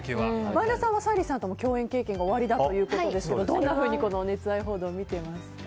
前田さんは沙莉さんとも共演経験がおありだということですがどんなふうにこの熱愛報道を見ていますか？